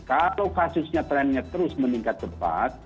kalau kasusnya trennya terus meningkat cepat